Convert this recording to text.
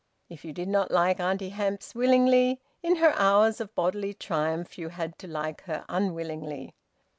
If you did not like Auntie Hamps willingly, in her hours of bodily triumph, you had to like her unwillingly.